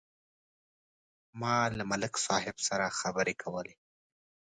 ما له ملک صاحب سره خبرې کولې.